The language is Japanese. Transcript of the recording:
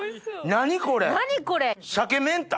何これ？